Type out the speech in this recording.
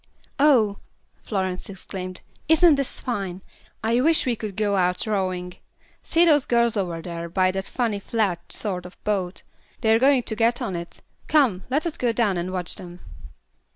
"Oh!" Florence exclaimed. "Isn't this fine? I wish we could go out rowing. See those girls over there by that funny flat sort of boat. They are going to get on it. Come, let us go down and watch them."